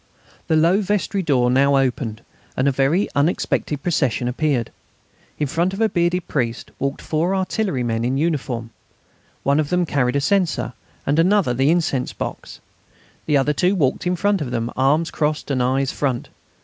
The low vestry door now opened and a very unexpected procession appeared. In front of a bearded priest walked four artillerymen in uniform. One of them carried a censer, and another the incense box. The other two walked in front of them, arms crossed and eyes front.